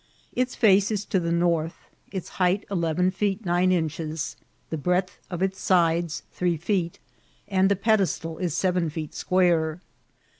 Its face is to the north ; its height eleven feet nine inches, the breadth of its sides three feet, and the pedestal is seven feet square.